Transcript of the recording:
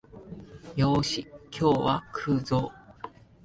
よーし、今日は食うぞお